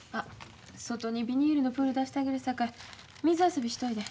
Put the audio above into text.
外にビニールのプール出してあげるさかい水遊びしておいで。